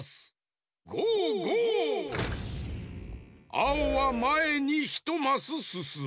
あおはまえにひとマスすすむ。